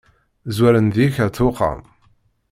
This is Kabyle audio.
Zwaren-d deg-k at uxxam.